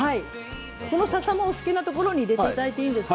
お好きなところに入れていただいていいです。